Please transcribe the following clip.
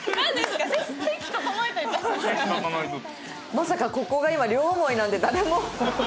まさかここが今両思いなんて誰も。